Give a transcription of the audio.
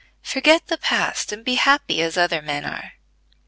Forget the past and be happy as other men are.